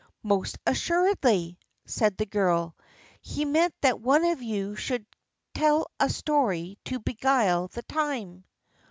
"Most assuredly," said the girl; "he meant that one of you should tell a story to beguile the time."